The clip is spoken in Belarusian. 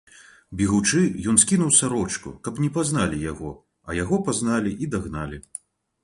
Бегучы ён скінуў сарочку, каб не пазналі яго, а яго пазналі і дагналі.